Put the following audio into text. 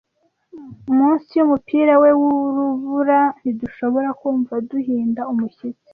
munsi yumupira we wurubura ntidushobora kumva duhinda umushyitsi